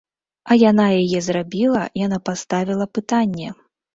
А яна яе зрабіла, яна паставіла пытанне.